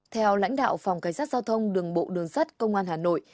theo lãnh đạo phòng cảnh sát giao thông đường bộ đường sắt công an hà nội